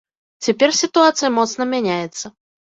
Цяпер сітуацыя моцна мяняецца.